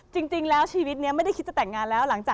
จริงแล้วชีวิตนี้ไม่ได้คิดจะแต่งงานแล้วหลังจาก